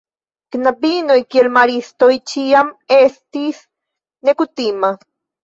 Knabinoj kiel maristoj ĉiam estis nekutima.